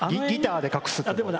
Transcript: ギターで隠すって。